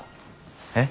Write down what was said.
えっ？